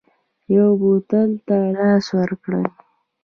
یو بل ته لاس ورکړئ